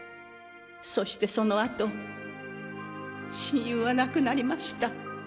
そしてその後親友は亡くなりました。